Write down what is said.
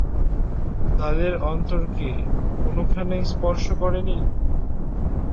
তাদের অন্তরকে কোনোখানেই স্পর্শ করে নি?